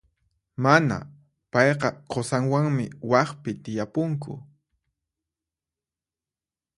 Mana, payqa qusanwanmi waqpi tiyapunku.